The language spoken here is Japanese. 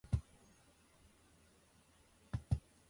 サイクリングは心身の健康に良いと思います。